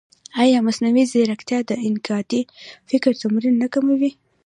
ایا مصنوعي ځیرکتیا د انتقادي فکر تمرین نه کموي؟